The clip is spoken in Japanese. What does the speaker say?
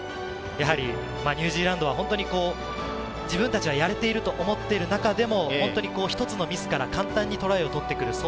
ニュージーランドは本当に自分たちはやれていると思っている中でも一つのミスから簡単にトライを取ってくる。